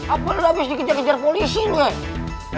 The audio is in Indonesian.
apalagi abis dikejar kejar polisi nih